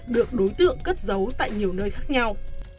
được đối tượng cất giấu tại nhiều nơi khác nhau